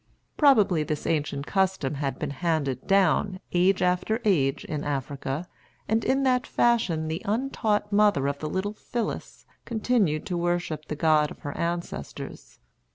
Probably this ancient custom had been handed down, age after age, in Africa, and in that fashion the untaught mother of little Phillis continued to worship the god of her ancestors.